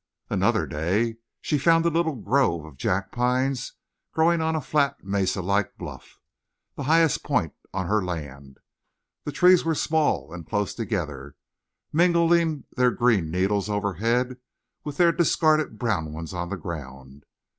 Another day she found a little grove of jack pines growing on a flat mesa like bluff, the highest point on her land. The trees were small and close together, mingling their green needles overhead and their discarded brown ones on the ground.